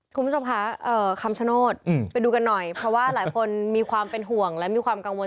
คุณผู้ชมค่ะคำชโนธไปดูกันหน่อยเพราะว่าหลายคนมีความเป็นห่วงและมีความกังวล